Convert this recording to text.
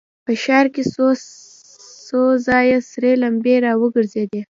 په ښار کې څو ځایه سرې لمبې را وګرځېدې.